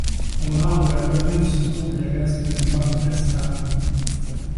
Au nord de la commune se trouvent les restes d'une motte castrale.